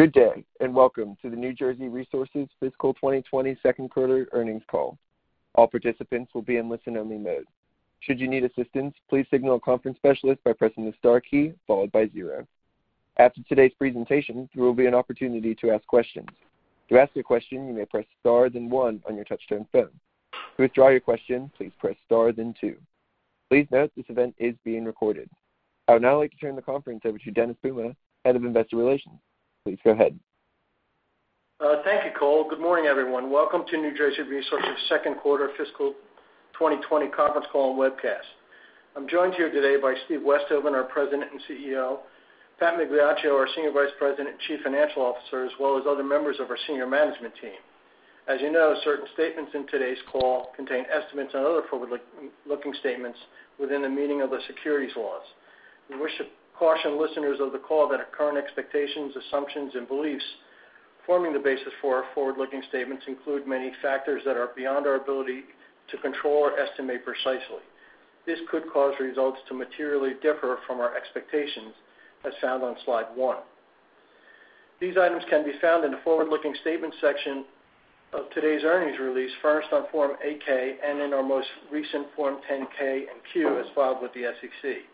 Good day, welcome to the New Jersey Resources Fiscal 2020 Q2 Earnings Call. All participants will be in listen-only mode. Should you need assistance, please signal a conference specialist by pressing the star key followed by zero. After today's presentation, there will be an opportunity to ask questions. To ask a question, you may press star then one on your touch-tone phone. To withdraw your question, please press star then two. Please note this event is being recorded. I would now like to turn the conference over to Dennis Puma, Head of Investor Relations. Please go ahead. Thank you, Cole. Good morning, everyone. Welcome to New Jersey Resources' Q2 fiscal 2020 conference call and webcast. I'm joined here today by Steve Westhoven, our President and CEO, Pat Migliaccio, our Senior Vice President and Chief Financial Officer, as well as other members of our senior management team. As you know, certain statements in today's call contain estimates and other forward-looking statements within the meaning of the securities laws. We wish to caution listeners of the call that our current expectations, assumptions, and beliefs forming the basis for our forward-looking statements include many factors that are beyond our ability to control or estimate precisely. This could cause results to materially differ from our expectations, as found on Slide one. These items can be found in the Forward-Looking Statements section of today's earnings release, furnished on Form 8-K and in our most recent Form 10-K and Q as filed with the SEC.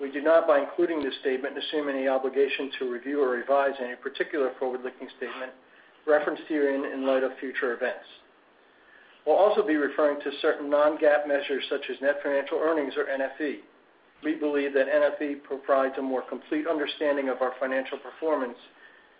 We do not, by including this statement, assume any obligation to review or revise any particular forward-looking statement referenced herein in light of future events. We'll also be referring to certain non-GAAP measures, such as net financial earnings, or NFE. We believe that NFE provides a more complete understanding of our financial performance.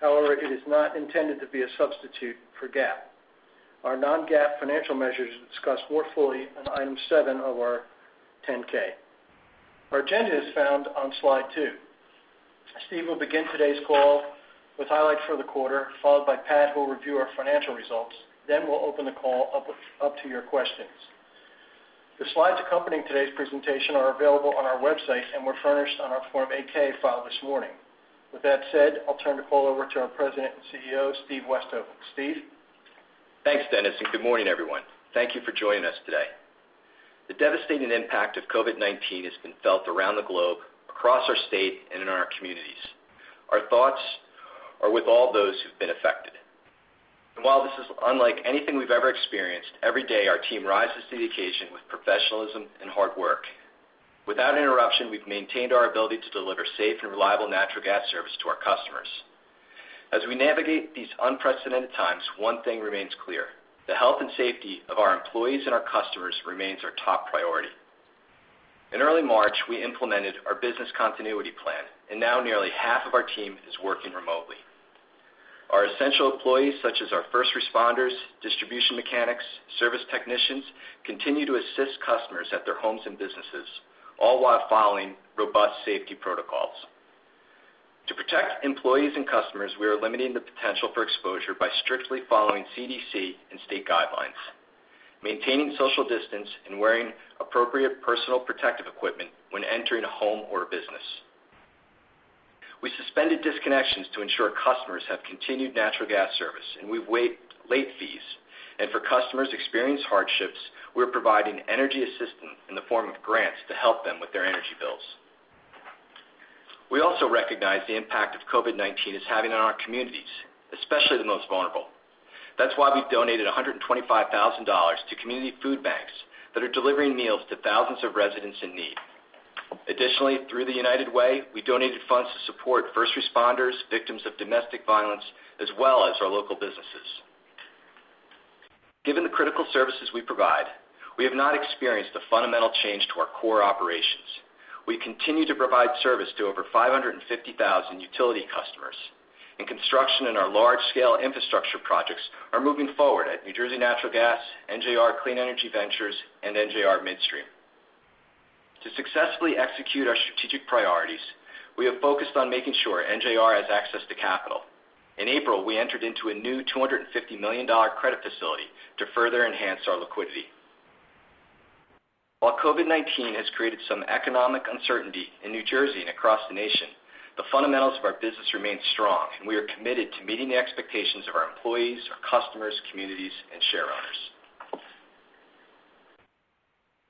However, it is not intended to be a substitute for GAAP. Our non-GAAP financial measures are discussed more fully on Item seven of our 10-K. Our agenda is found on Slide two. Steve will begin today's call with highlights for the quarter, followed by Pat, who will review our financial results. We'll open the call up to your questions. The slides accompanying today's presentation are available on our website and were furnished on our Form 8-K filed this morning. With that said, I'll turn the call over to our President and CEO, Steve Westhoven. Steve? Thanks, Dennis. Good morning, everyone. Thank you for joining us today. The devastating impact of COVID-19 has been felt around the globe, across our state, and in our communities. Our thoughts are with all those who've been affected. While this is unlike anything we've ever experienced, every day, our team rises to the occasion with professionalism and hard work. Without interruption, we've maintained our ability to deliver safe and reliable natural gas service to our customers. As we navigate these unprecedented times, one thing remains clear: The health and safety of our employees and our customers remains our top priority. In early March, we implemented our business continuity plan, and now nearly half of our team is working remotely. Our essential employees, such as our first responders, distribution mechanics, service technicians, continue to assist customers at their homes and businesses, all while following robust safety protocols. To protect employees and customers, we are limiting the potential for exposure by strictly following CDC and state guidelines, maintaining social distance, and wearing appropriate personal protective equipment when entering a home or a business. We suspended disconnections to ensure customers have continued natural gas service, and we've waived late fees. For customers experiencing hardships, we're providing energy assistance in the form of grants to help them with their energy bills. We also recognize the impact of COVID-19 is having on our communities, especially the most vulnerable. That's why we've donated $125,000 to community food banks that are delivering meals to thousands of residents in need. Additionally, through the United Way, we donated funds to support first responders, victims of domestic violence, as well as our local businesses. Given the critical services we provide, we have not experienced a fundamental change to our core operations. We continue to provide service to over 550,000 utility customers. Construction in our large-scale infrastructure projects are moving forward at New Jersey Natural Gas, NJR Clean Energy Ventures, and NJR Midstream. To successfully execute our strategic priorities, we have focused on making sure NJR has access to capital. In April, we entered into a new $250 million credit facility to further enhance our liquidity. While COVID-19 has created some economic uncertainty in New Jersey and across the nation, the fundamentals of our business remain strong, and we are committed to meeting the expectations of our employees, our customers, communities, and shareowners.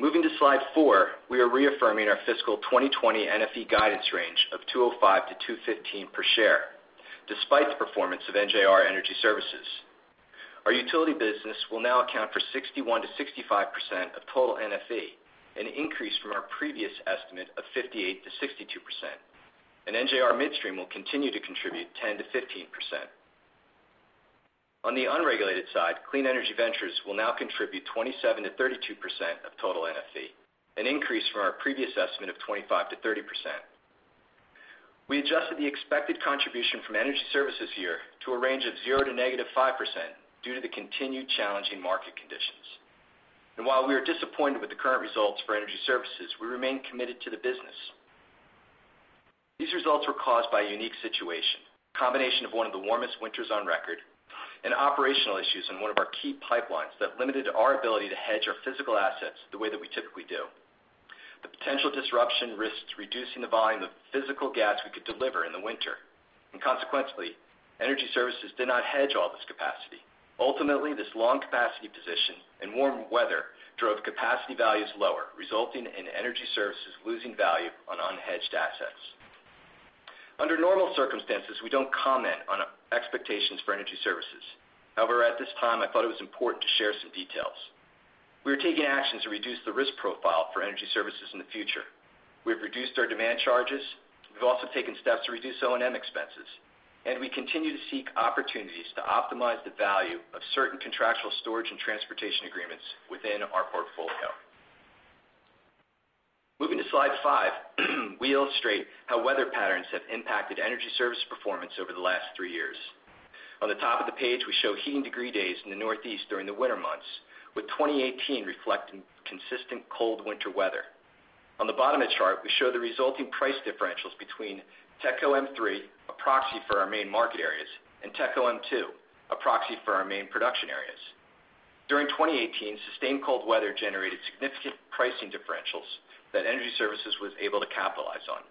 Moving to Slide four, we are reaffirming our fiscal 2020 NFE guidance range of $2.05-$2.15 per share, despite the performance of NJR Energy Services. Our utility business will now account for 61%-65% of total NFE, an increase from our previous estimate of 58%-62%, and NJR Midstream will continue to contribute 10%-15%. On the unregulated side, Clean Energy Ventures will now contribute 27%-32% of total NFE, an increase from our previous estimate of 25%-30%. We adjusted the expected contribution from Energy Services here to a range of 0% to negative 5% due to the continued challenging market conditions. While we are disappointed with the current results for Energy Services, we remain committed to the business. These results were caused by a unique situation, a combination of one of the warmest winters on record and operational issues in one of our key pipelines that limited our ability to hedge our physical assets the way that we typically do. The potential disruption risks reducing the volume of physical gas we could deliver in the winter, consequently, Energy Services did not hedge all this capacity. Ultimately, this long capacity position and warm weather drove capacity values lower, resulting in Energy Services losing value on unhedged assets. Under normal circumstances, we don't comment on expectations for Energy Services. However, at this time, I thought it was important to share some details. We are taking actions to reduce the risk profile for Energy Services in the future. We have reduced our demand charges. We've also taken steps to reduce O&M expenses, and we continue to seek opportunities to optimize the value of certain contractual storage and transportation agreements within our portfolio. Moving to slide five, we illustrate how weather patterns have impacted Energy Services performance over the last three years. On the top of the page, we show heating degree days in the Northeast during the winter months, with 2018 reflecting consistent cold winter weather. On the bottom of the chart, we show the resulting price differentials between TETCO M-3, a proxy for our main market areas, and TETCO M2, a proxy for our main production areas. During 2018, sustained cold weather generated significant pricing differentials that Energy Services was able to capitalize on.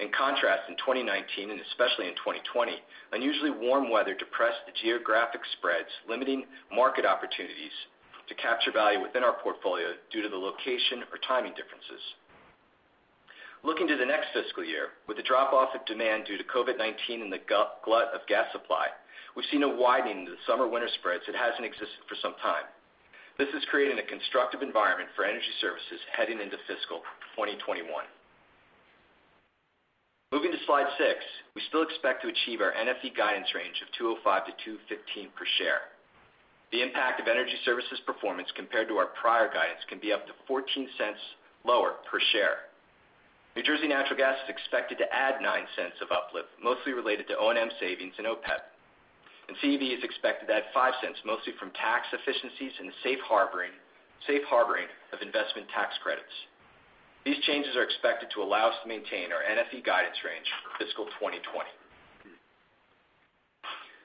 In contrast, in 2019, and especially in 2020, unusually warm weather depressed the geographic spreads, limiting market opportunities to capture value within our portfolio due to the location or timing differences. Looking to the next fiscal year, with the drop-off of demand due to COVID-19 and the glut of gas supply, we've seen a widening of the summer-winter spreads that hasn't existed for some time. This is creating a constructive environment for Energy Services heading into fiscal 2021. Moving to slide six, we still expect to achieve our NFE guidance range of $2.05-$2.15 per share. The impact of Energy Services' performance compared to our prior guidance can be up to $0.14 lower per share. New Jersey Natural Gas is expected to add $0.09 of uplift, mostly related to O&M savings and OPEB. CEV is expected to add $0.05, mostly from tax efficiencies and safe harboring of investment tax credits. These changes are expected to allow us to maintain our NFE guidance range for fiscal 2020.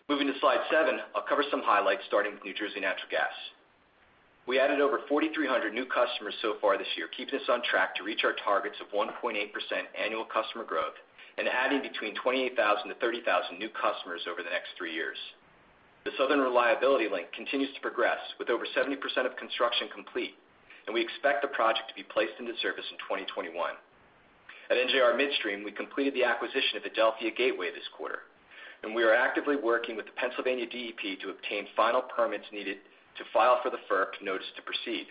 Moving to slide seven, I'll cover some highlights, starting with New Jersey Natural Gas. We added over 4,300 new customers so far this year, keeping us on track to reach our targets of 1.8% annual customer growth and adding between 28,000-30,000 new customers over the next three years. The Southern Reliability Link continues to progress, with over 70% of construction complete, and we expect the project to be placed into service in 2021. At NJR Midstream, we completed the acquisition of Adelphia Gateway this quarter, and we are actively working with the Pennsylvania DEP to obtain final permits needed to file for the FERC Notice to Proceed.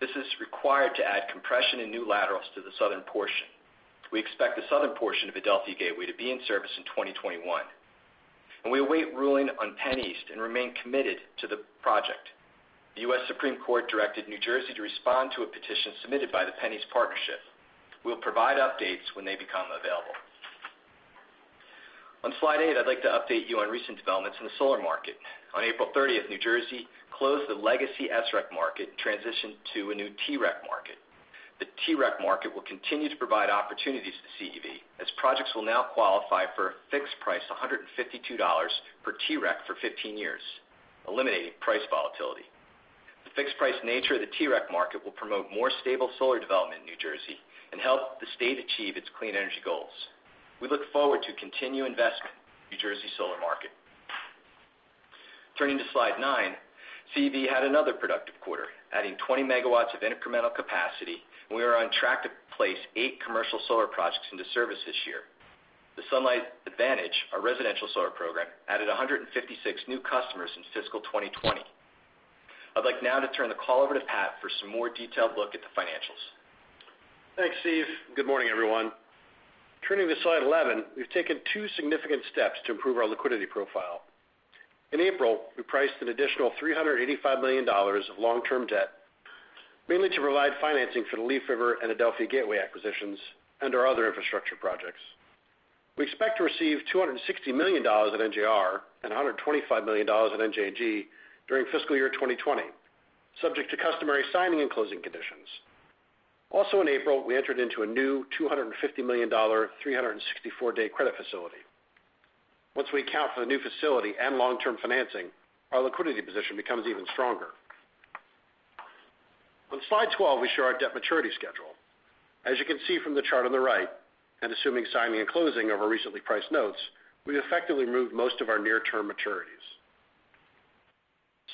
This is required to add compression and new laterals to the southern portion. We expect the southern portion of Adelphia Gateway to be in service in 2021. We await ruling on PennEast and remain committed to the project. The U.S. Supreme Court directed New Jersey to respond to a petition submitted by the PennEast Partnership. We'll provide updates when they become available. On slide eight, I'd like to update you on recent developments in the solar market. On April 30th, New Jersey closed the legacy SREC market and transitioned to a new TREC market. The TREC market will continue to provide opportunities to CEV, as projects will now qualify for a fixed price of $152 per TREC for 15 years, eliminating price volatility. The fixed-price nature of the TREC market will promote more stable solar development in New Jersey and help the state achieve its clean energy goals. We look forward to continued investment in the New Jersey solar market. Turning to slide nine, CEV had another productive quarter, adding 20 MW of incremental capacity, and we are on track to place eight commercial solar projects into service this year. The Sunlight Advantage, our residential solar program, added 156 new customers in fiscal 2020. I'd like now to turn the call over to Pat for some more detailed look at the financials. Thanks, Steve. Good morning, everyone. Turning to slide 11, we've taken two significant steps to improve our liquidity profile. In April, we priced an additional $385 million of long-term debt, mainly to provide financing for the Leaf River and Adelphia Gateway acquisitions and our other infrastructure projects. We expect to receive $260 million at NJR and $125 million at NJNG during fiscal year 2020, subject to customary signing and closing conditions. Also in April, we entered into a new $250 million, 364-day credit facility. Once we account for the new facility and long-term financing, our liquidity position becomes even stronger. On slide 12, we show our debt maturity schedule. As you can see from the chart on the right, and assuming signing and closing of our recently priced notes, we've effectively removed most of our near-term maturities.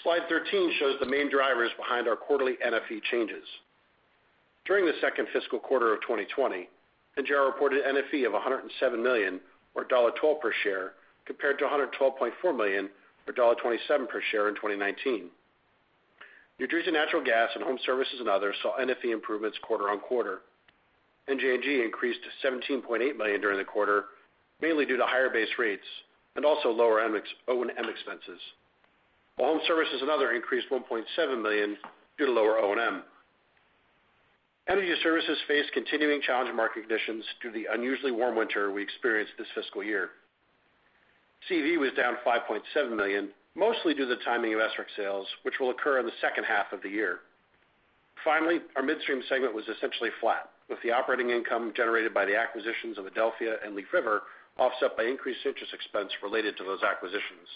Slide 13 shows the main drivers behind our quarterly NFE changes. During the second fiscal quarter of 2020, NJR reported NFE of $107 million, or $1.12 per share, compared to $112.4 million, or $1.27 per share in 2019. New Jersey Natural Gas and Home Services and Other saw NFE improvements quarter-on-quarter. NJNG increased to $17.8 million during the quarter, mainly due to higher base rates and also lower O&M expenses. While Home Services and Other increased to $1.7 million due to lower O&M. Energy Services faced continuing challenging market conditions due to the unusually warm winter we experienced this fiscal year. CEV was down $5.7 million, mostly due to the timing of SREC sales, which will occur in the H2 of the year. Finally, our midstream segment was essentially flat, with the operating income generated by the acquisitions of Adelphia and Leaf River offset by increased interest expense related to those acquisitions.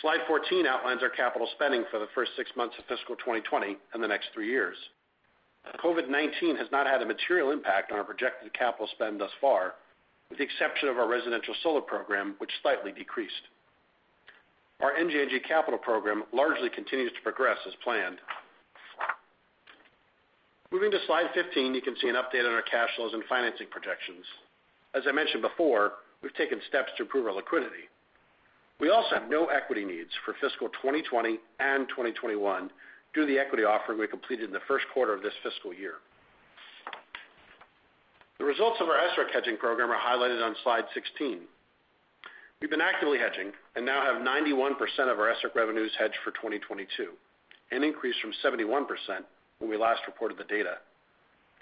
Slide 14 outlines our capital spending for the first six months of fiscal 2020 and the next three years. COVID-19 has not had a material impact on our projected capital spend thus far, with the exception of our residential solar program, which slightly decreased. Our NJNG capital program largely continues to progress as planned. Moving to slide 15, you can see an update on our cash flows and financing projections. As I mentioned before, we've taken steps to improve our liquidity. We also have no equity needs for fiscal 2020 and 2021 due to the equity offering we completed in the Q1 of this fiscal year. The results of our SREC hedging program are highlighted on slide 16. We've been actively hedging and now have 91% of our SREC revenues hedged for 2022, an increase from 71% when we last reported the data.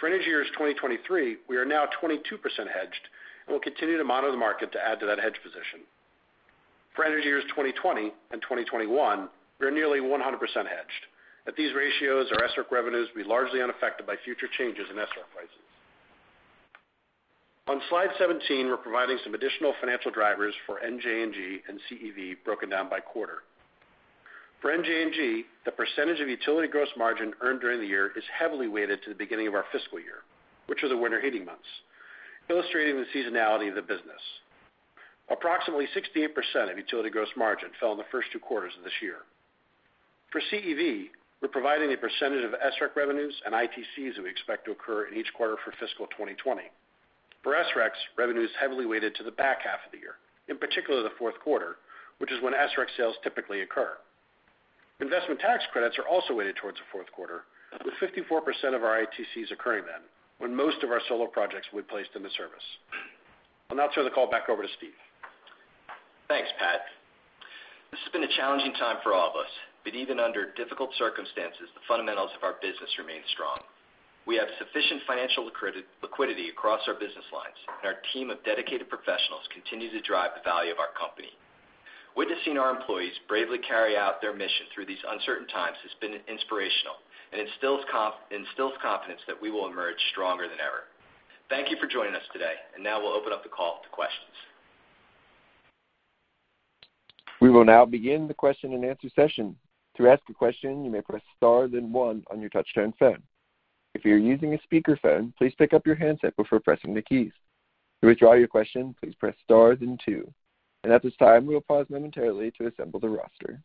For energy years 2023, we are now 22% hedged and will continue to monitor the market to add to that hedge position. For energy years 2020 and 2021, we are nearly 100% hedged. At these ratios, our SREC revenues will be largely unaffected by future changes in SREC prices. On slide 17, we're providing some additional financial drivers for NJNG and CEV broken down by quarter. For NJNG, the percentage of utility gross margin earned during the year is heavily weighted to the beginning of our fiscal year, which are the winter heating months, illustrating the seasonality of the business. Approximately 68% of utility gross margin fell in the first two quarters of this year. For CEV, we're providing a percentage of SREC revenues and ITCs that we expect to occur in each quarter for fiscal 2020. For SRECs, revenue is heavily weighted to the back half of the year, in particular the Q4, which is when SREC sales typically occur. Investment Tax Credits are also weighted towards the Q4, with 54% of our ITCs occurring then, when most of our solar projects were placed into service. I'll now turn the call back over to Steve. Thanks, Pat. This has been a challenging time for all of us. Even under difficult circumstances, the fundamentals of our business remain strong. We have sufficient financial liquidity across our business lines, and our team of dedicated professionals continue to drive the value of our company. Witnessing our employees bravely carry out their mission through these uncertain times has been inspirational and instills confidence that we will emerge stronger than ever. Thank you for joining us today, and now we'll open up the call to questions. We will now begin the question-and-answer session. To ask a question, you may press star then one on your touch-tone phone. If you're using a speakerphone, please pick up your handset before pressing the keys. To withdraw your question, please press star then two. At this time, we'll pause momentarily to assemble the roster.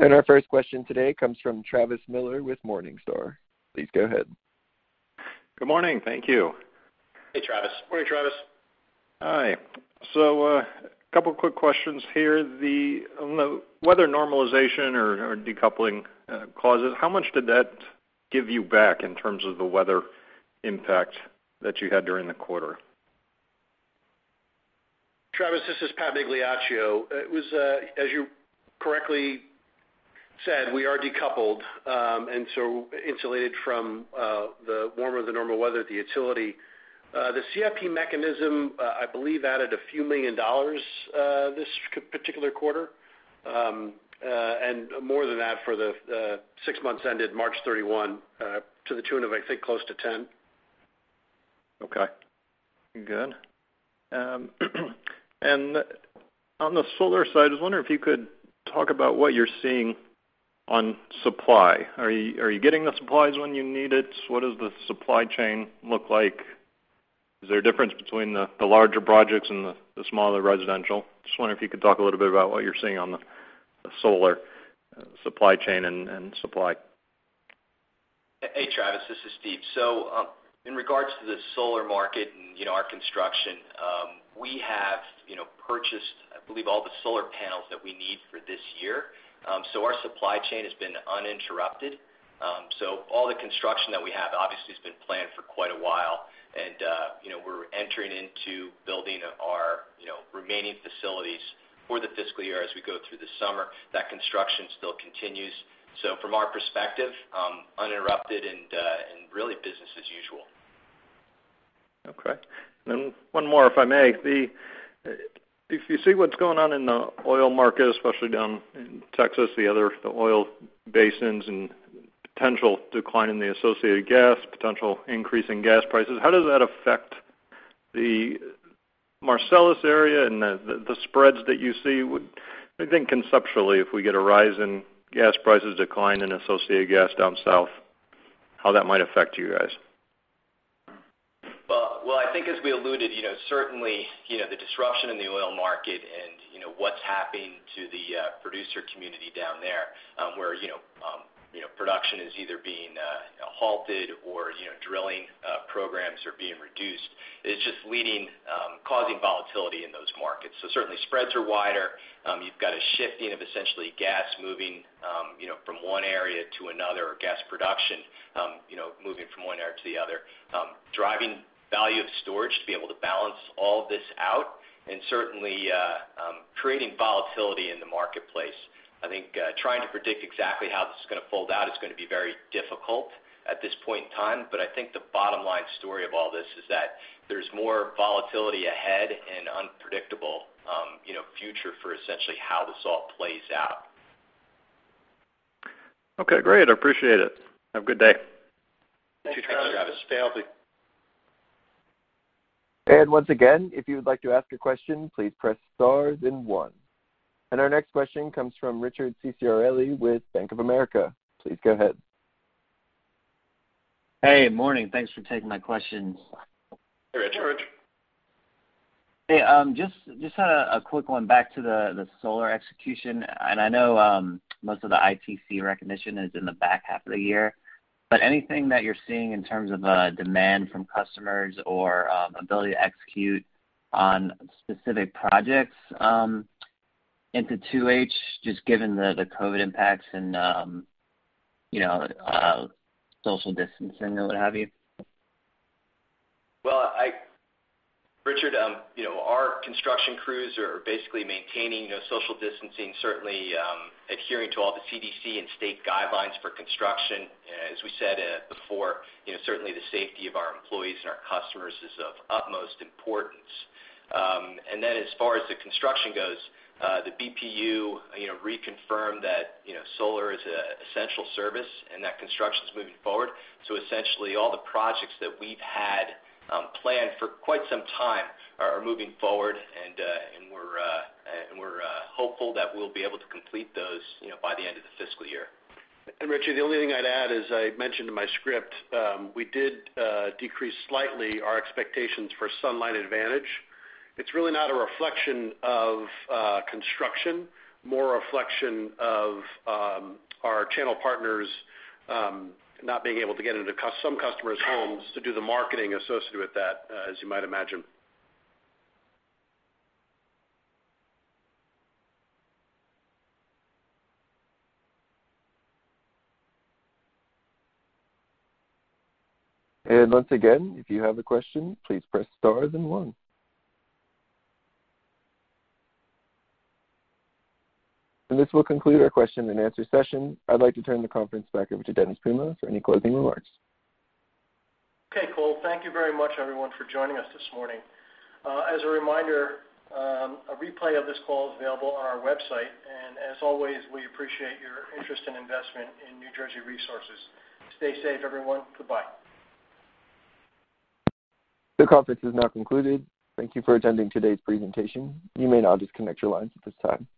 Our first question today comes from Travis Miller with Morningstar. Please go ahead. Good morning. Thank you. Hey, Travis. Morning, Travis. Hi. A couple quick questions here. The weather normalization or decoupling clauses, how much did that give you back in terms of the weather impact that you had during the quarter? Travis, this is Patrick Migliaccio. It was, as you correctly said, we are decoupled and so insulated from the warmer-than-normal weather at the utility. The CIP mechanism, I believe, added a few million dollars this particular quarter, and more than that for the six months ended March 31st, to the tune of, I think, close to $10 million. Okay, good. On the solar side, I was wondering if you could talk about what you're seeing on supply. Are you getting the supplies when you need it? What does the supply chain look like? Is there a difference between the larger projects and the smaller residential? Just wondering if you could talk a little bit about what you're seeing on the solar supply chain and supply. Hey, Travis. This is Steve. In regard to the solar market and our construction, we have purchased, I believe, all the solar panels that we need for this year. Our supply chain has been uninterrupted. All the construction that we have, obviously, has been planned for quite a while, and we're entering into building our remaining facilities for the fiscal year as we go through the summer. That construction still continues. From our perspective, uninterrupted and really business as usual. Okay. One more, if I may. If you see what's going on in the oil market, especially down in Texas, the other oil basins, and potential decline in the associated gas, potential increase in gas prices, how does that affect the Marcellus area and the spreads that you see? I think conceptually, if we get a rise in gas prices, decline in associated gas down south, how that might affect you guys. Well, I think as we alluded, certainly the disruption in the oil market and what's happening to the producer community down there, where production is either being halted or drilling programs are being reduced, is just causing volatility in those markets. Certainly, spreads are wider. You've got a shifting of essentially gas moving from one area to another, or gas production moving from one area to the other, driving value of storage to be able to balance all this out, and certainly creating volatility in the marketplace. I think trying to predict exactly how this is going to fold out is going to be very difficult at this point in time. I think the bottom-line story of all this is that there's more volatility ahead and unpredictable future for essentially how this all plays out. Okay, great. I appreciate it. Have good day. Thanks, Travis. Thanks, Travis. Stay healthy. Once again, if you would like to ask a question, please press star then one. Our next question comes from Richard Sunderland with JPMorgan. Please go ahead. Hey, morning. Thanks for taking my questions. Hey, Richard. Hey, just had a quick one back to the solar execution. I know most of the ITC recognition is in the back half of the year. Anything that you're seeing in terms of demand from customers or ability to execute on specific projects into 2H, just given the COVID impacts and social distancing and what have you? Well, Richard, our construction crews are basically maintaining social distancing, certainly adhering to all the CDC and state guidelines for construction. As we said before, certainly the safety of our employees and our customers is of utmost importance. As far as the construction goes, the BPU reconfirmed that solar is an essential service and that construction's moving forward. Essentially, all the projects that we've had planned for quite some time are moving forward, and we're hopeful that we'll be able to complete those by the end of the fiscal year. Richard, the only thing I'd add is I mentioned in my script, we did decrease slightly our expectations for The Sunlight Advantage. It's really not a reflection of construction, more a reflection of our channel partners not being able to get into some customers' homes to do the marketing associated with that, as you might imagine. Once again, if you have a question, please press star then one. This will conclude our question-and-answer session. I'd like to turn the conference back over to Dennis Puma for any closing remarks. Okay, Cole. Thank you very much, everyone, for joining us this morning. As a reminder, a replay of this call is available on our website. As always, we appreciate your interest and investment in New Jersey Resources. Stay safe, everyone. Goodbye. The conference is now concluded. Thank you for attending today's presentation. You may now disconnect your lines at this time.